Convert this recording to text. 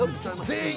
全員。